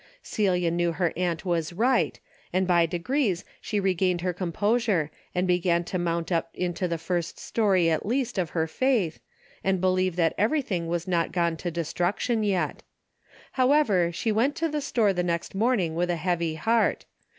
Celia knew her aunt was right, and by degrees she regained her composure, and began to mount up into the first story at least of her faith, and believe that everything was not gone to destruction yet. However, she went to the store the next morning with a heavy heart.